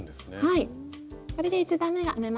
はい。